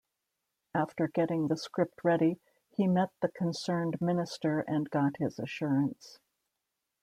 After getting the script ready, he met the concerned minister and got his assurance.